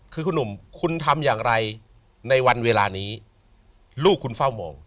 คือคุณหนุ่มคุณทำอย่างไรในวันเวลานี้ลูกคุณเฝ้ามอง